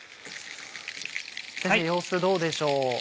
先生様子どうでしょう？